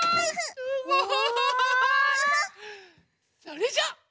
それじゃあ。